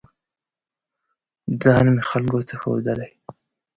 ځان مې خلکو ته ښودلی